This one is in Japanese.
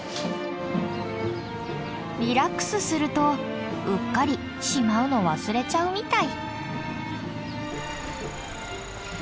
リラックスするとうっかりしまうの忘れちゃうみたい。